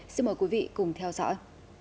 xin mời quý vị cùng theo dõi